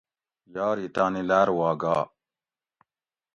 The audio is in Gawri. یار ئ تانی لاۤر وا گا